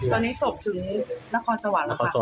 ตอนนี้ศพถึงนครสวรรค์แล้วค่ะ